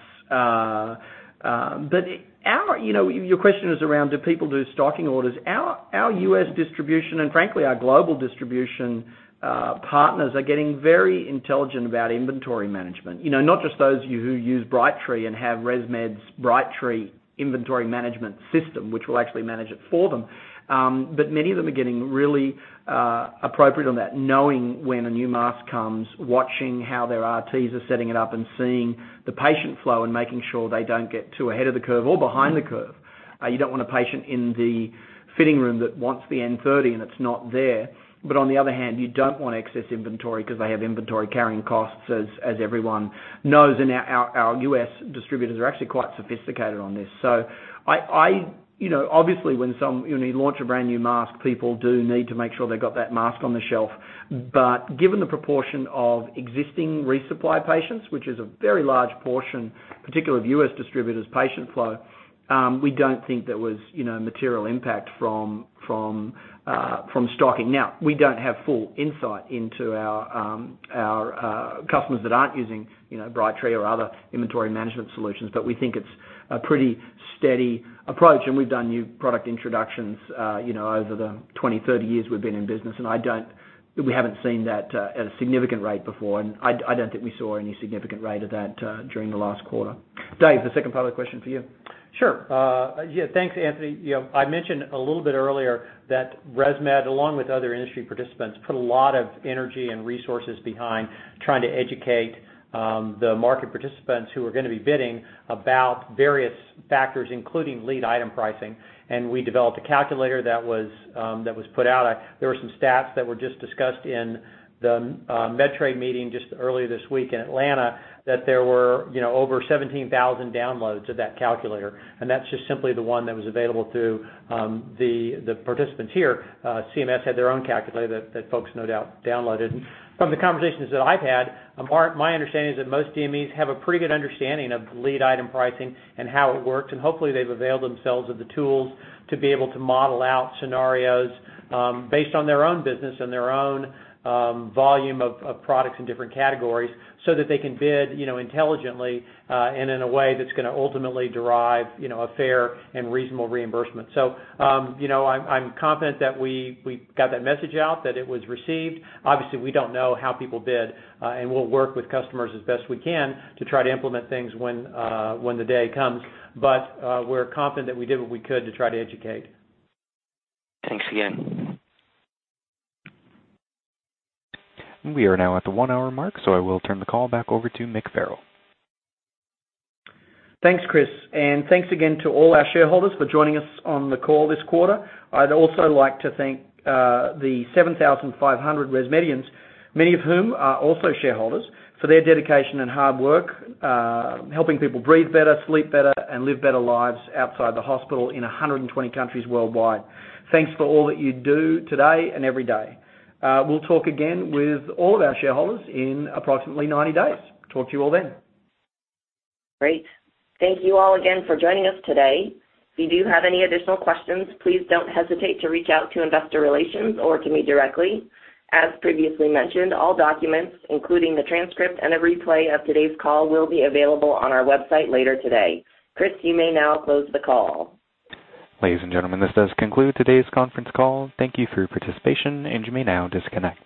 Your question is around do people do stocking orders? Our U.S. distribution, and frankly, our global distribution partners are getting very intelligent about inventory management. Not just those who use Brightree and have ResMed's Brightree inventory management system, which will actually manage it for them. Many of them are getting really appropriate on that, knowing when a new mask comes, watching how their RTs are setting it up, and seeing the patient flow and making sure they don't get too ahead of the curve or behind the curve. You don't want a patient in the fitting room that wants the N30 and it's not there. On the other hand, you don't want excess inventory because they have inventory carrying costs, as everyone knows, and our U.S. distributors are actually quite sophisticated on this. Obviously, when you launch a brand-new mask, people do need to make sure they've got that mask on the shelf. Given the proportion of existing resupply patients, which is a very large portion, particularly of U.S. distributors' patient flow, we don't think there was material impact from stocking. We don't have full insight into our customers that aren't using Brightree or other inventory management solutions. We think it's a pretty steady approach, and we've done new product introductions over the 20, 30 years we've been in business. We haven't seen that at a significant rate before, and I don't think we saw any significant rate of that during the last quarter. Dave, the second part of the question for you. Sure. Yeah, thanks, Anthony. I mentioned a little bit earlier that ResMed, along with other industry participants, put a lot of energy and resources behind trying to educate the market participants who are going to be bidding about various factors, including lead item pricing. We developed a calculator that was put out. There were some stats that were just discussed in the MedTrade meeting just earlier this week in Atlanta, that there were over 17,000 downloads of that calculator. That's just simply the one that was available to the participants here. CMS had their own calculator that folks no doubt downloaded. From the conversations that I've had, my understanding is that most DMEs have a pretty good understanding of lead item pricing and how it works, and hopefully they've availed themselves of the tools to be able to model out scenarios based on their own business and their own volume of products in different categories, so that they can bid intelligently and in a way that's going to ultimately derive a fair and reasonable reimbursement. I'm confident that we got that message out, that it was received. Obviously, we don't know how people bid, and we'll work with customers as best we can to try to implement things when the day comes. We're confident that we did what we could to try to educate. Thanks again. We are now at the one-hour mark. I will turn the call back over to Mick Farrell. Thanks, Chris, and thanks again to all our shareholders for joining us on the call this quarter. I'd also like to thank the 7,500 ResMedians, many of whom are also shareholders, for their dedication and hard work, helping people breathe better, sleep better, and live better lives outside the hospital in 120 countries worldwide. Thanks for all that you do today and every day. We'll talk again with all of our shareholders in approximately 90 days. Talk to you all then. Great. Thank you all again for joining us today. If you do have any additional questions, please don't hesitate to reach out to investor relations or to me directly. As previously mentioned, all documents, including the transcript and a replay of today's call will be available on our website later today. Chris, you may now close the call. Ladies and gentlemen, this does conclude today's conference call. Thank you for your participation, and you may now disconnect.